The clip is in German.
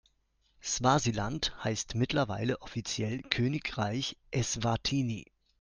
Swasiland heißt mittlerweile offiziell Königreich Eswatini.